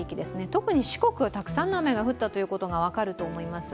特に四国、たくさんの雨が降ったということが分かると思います。